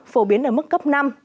phổ biến ở mức cấp năm